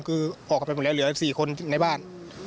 คือออกกันไปหมดแล้วเหลือ๔คนในบ้าน